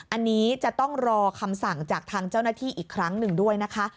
อันนี้จะต้องรอคำสั่งจากทางเจ้าหน้าที่อีกครั้งหนึ่งด้วยนะคะ